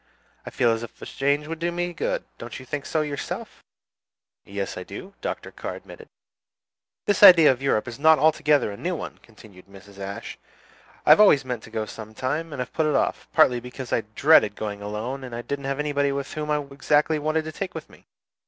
I feel as if a change would do me good. Don't you think so yourself?" "Yes, I do," Dr. Carr admitted. "This idea of Europe is not altogether a new one," continued Mrs. Ashe. "I have always meant to go some time, and have put it off, partly because I dreaded going alone, and didn't know anybody whom I exactly wanted to take with me.